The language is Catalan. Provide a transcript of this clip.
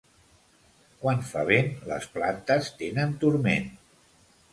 Quan fa vent les plantes tenen turment.